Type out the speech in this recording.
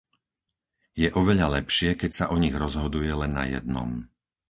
Je oveľa lepšie, keď sa o nich rozhoduje len na jednom.